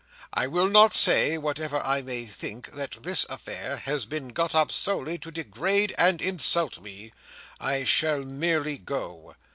I will not say (whatever I may think) that this affair has been got up solely to degrade and insult me. I shall merely go.